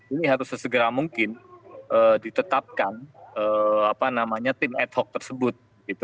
ini harus sesegera mungkin ditetapkan tim ad hoc tersebut